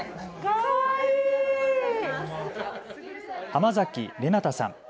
浜崎レナタさん。